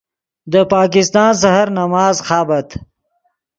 دے پاکستان سحر نماز خابت